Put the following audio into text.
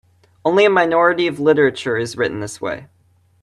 Only a minority of literature is written this way.